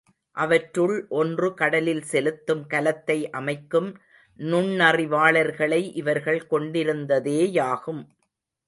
அவற்றுள் ஒன்று கடலில் செலுத்தும் கலத்தை அமைக்கும் நுண்ணறிவாளர்களை இவர்கள் கொண்டிருந்ததேயாகும்.